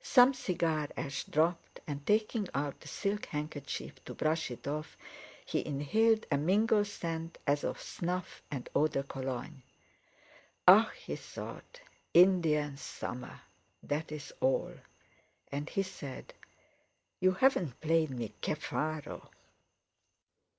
Some cigar ash dropped, and taking out a silk handkerchief to brush it off, he inhaled a mingled scent as of snuff and eau de Cologne. "Ah!" he thought, "Indian summer—that's all!" and he said: "You haven't played me 'Che faro.